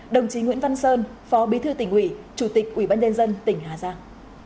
đồng chí nguyễn văn sơn phó bí thư tỉnh ủy chủ tịch ủy ban nhân dân tỉnh hà giang